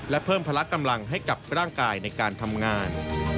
และเพิ่มพละกำลังให้กับร่างกายในการทำงาน